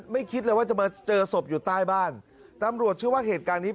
คิดเลยว่าจะมาเจอศพอยู่ใต้บ้านตำรวจเชื่อว่าเหตุการณ์นี้